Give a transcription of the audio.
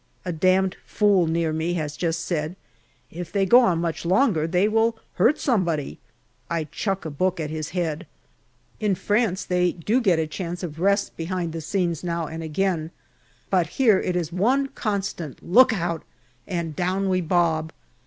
A damned fool near me has just said, " If they go on much longer they will hurt somebody." I chuck a book at his head. 86 GALLIPOLI DIARY In France they do get a chance of rest behind the scenes now and again, but here it is one constant " Look out !" and down we bob.